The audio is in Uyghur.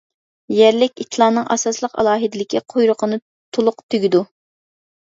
يەرلىك ئىتلارنىڭ ئاساسلىق ئالاھىدىلىكى قۇيرۇقىنى تۇلۇق تۈگىدۇ.